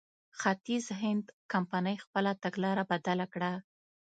ختیځ هند کمپنۍ خپله تګلاره بدله کړه.